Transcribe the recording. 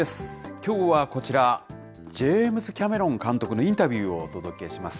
きょうはこちら、ジェームズ・キャメロン監督のインタビューをお届けします。